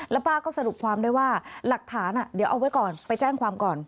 แล้วป้าก็สรุปความได้ว่าหลักฐานเดี๋ยวเอาไว้ก่อนไปแจ้งความก่อน